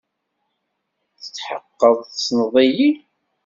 Tetḥeqqeḍ tessneḍ-iyi?